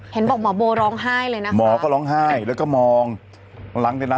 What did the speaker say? เป็นการกระตุ้นการไหลเวียนของเลือด